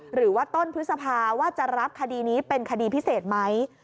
หรือว่าต้นพฤษภาว่าจะรับคดีนี้เป็นคดีพิเศษไหม